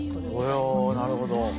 おなるほど。